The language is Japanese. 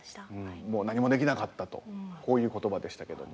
「もう何もできなかった」とこういう言葉でしたけども。